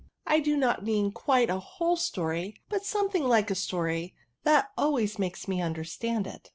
I do not mean quite a whole story, but some thing like a story; ^Aa^ always makes me understand it."